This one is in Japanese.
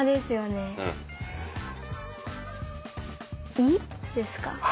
「い」ですか？